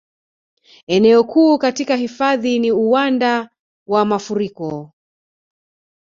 Eneo kuu katika hifadhi ni uwanda wa mafuriko